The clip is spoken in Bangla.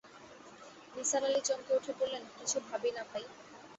নিসার আলি চমকে উঠে বললেন, কিছু ভাবি না ভাই।